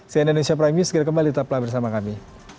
si indonesia prime news segera kembali tetaplah bersama kami